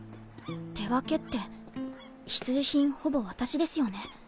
手分けって必需品ほぼ私ですよね。